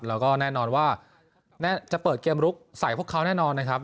แล้วก็แน่นอนว่าน่าจะเปิดเกมลุกใส่พวกเขาแน่นอนนะครับ